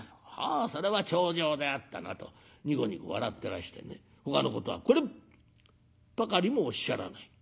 『ああそれは重畳であったな』とにこにこ笑ってらしてねほかのことはこれっぱかりもおっしゃらない。